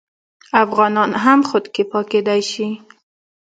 افغانان هم خودکفا کیدی شي.